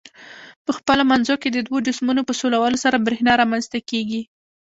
په خپلو منځو کې د دوو جسمونو په سولولو سره برېښنا رامنځ ته کیږي.